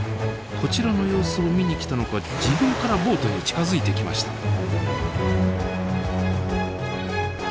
こちらの様子を見に来たのか自分からボートに近づいてきました。